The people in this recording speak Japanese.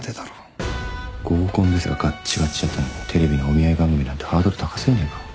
合コンですらガッチガチだったのにテレビのお見合い番組なんてハードル高過ぎねえか？